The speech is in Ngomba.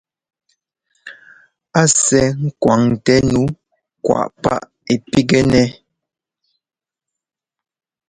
A sɛ́ ŋ́kwaŋtɛ nu kwáꞌ páꞌ ɛ́ pigɛnɛ́.